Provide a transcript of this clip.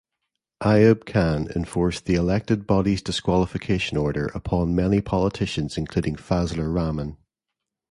Ayub Khan enforced the Elected Bodies Disqualification Order upon many politicians including Fazlur Rahman.